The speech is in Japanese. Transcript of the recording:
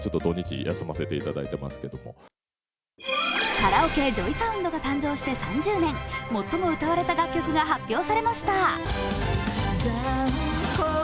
カラオケ・ＪＯＹＳＯＵＮＤが誕生して３０年最も歌われた楽曲が発表されました。